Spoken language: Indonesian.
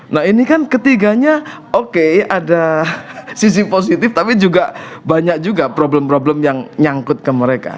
nah ini kan ketiganya oke ada sisi positif tapi juga banyak juga problem problem yang nyangkut ke mereka